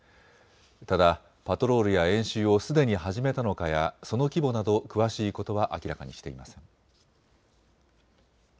ただパトロールや演習をすでに始めたのかやその規模など詳しいことは明らかにしていません。